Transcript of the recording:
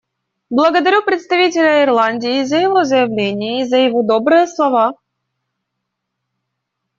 Благодарю представителя Ирландии за его заявление и за его добрые слова.